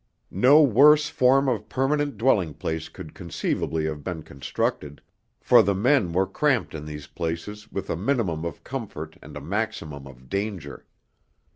No worse form of permanent dwelling place could conceivably have been constructed, for the men were cramped in these places with a minimum of comfort and a maximum of danger.